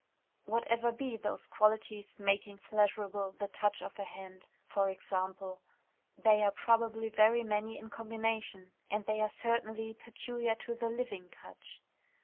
Whatever be those qualities making pleasurable the touch of a hand, for example, they are probably very many in combination, and they are certainly peculiar to the living touch.